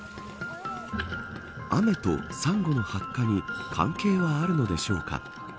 雨とサンゴの白化に関係はあるのでしょうか。